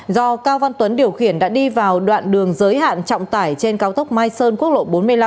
do cao văn tuấn điều khiển đã đi vào đoạn đường giới hạn trọng tải trên cao tốc mai sơn quốc lộ bốn mươi năm